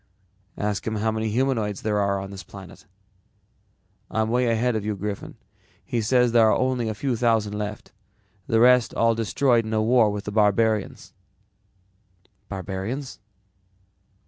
"Ask him how many humanoids there are on this planet." "I'm way ahead of you, Griffin. He says there are only a few thousand left. The rest were all destroyed in a war with the barbarians." "Barbarians?"